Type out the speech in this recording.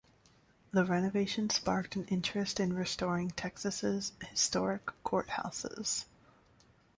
The renovation sparked an interest in restoring Texas's historic courthouses.